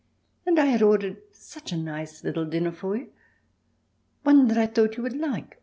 "And I had ordered such a nice little dinner for you, one I thought you would like.